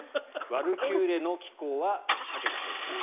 「ワルキューレの騎行」は避けたほうがいい。